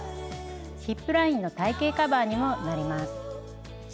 ヒップラインの体形カバーにもなります。